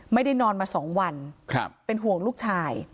ไม่ได้นอนมา๒วันเป็นห่วงลูกชาย